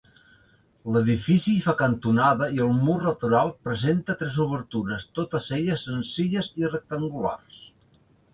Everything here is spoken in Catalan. L'edifici fa cantonada i el mur lateral presenta tres obertures, totes elles senzilles i rectangulars.